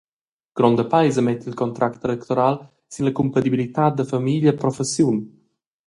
Gronda peisa metta il contract electoral sin la cumpatibilitad da famiglia e professiun.